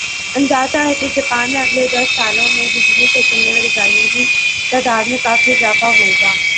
اندازہ ھے کہ جاپان میں اگلے دس سالوں میں بجلی سے چلنے والی گاڑیوں کی تعداد میں کافی اضافہ ہو گا